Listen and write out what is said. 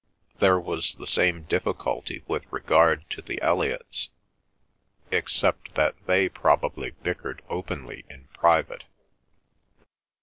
There was the same difficulty with regard to the Elliots, except that they probably bickered openly in private.